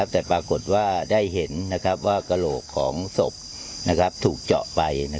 แต่ปรากฏว่าได้เห็นว่ากระโหลกของศพถูกเจาะไป